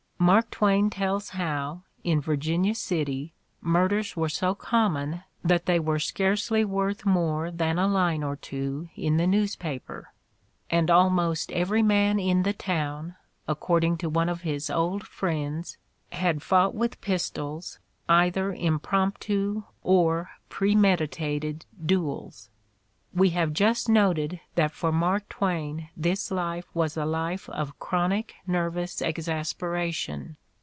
Mark Twain tells how, in Virginia City, murders were so common that they were scarcely worth more than a line or two in the newspaper, and "almost every man" in the town, according to one of his old friends, "had fought with pistols either impromptu or premeditated duels." We have just noted that for Mark Twain this life was a life of chronic nervous exasperation.